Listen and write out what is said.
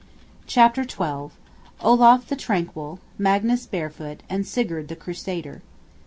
CHAPTER XII. OLAF THE TRANQUIL, MAGNUS BAREFOOT, AND SIGURD THE CRUSADER.